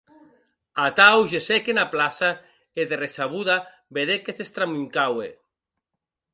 Atau gessec ena plaça e de ressabuda vedec qu'estramuncaue.